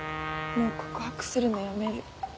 もう告白するのやめる。